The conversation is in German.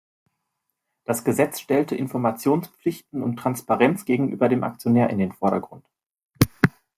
Das Gesetz stellte Informationspflichten und Transparenz gegenüber dem Aktionär in den Vordergrund.